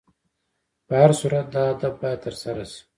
په هر صورت دا هدف باید تر سره شي.